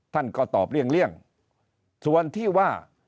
ท่านก็ตอบเลี่ยงส่วนที่ว่า